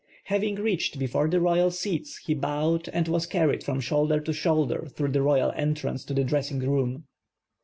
Hav ing reached before the royal seats he bowed and was carried from shoulder to shoulder through the royal entrance to the dressing room.